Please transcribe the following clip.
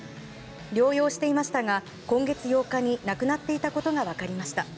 療養していましたが今月８日に亡くなっていたことが分かりました。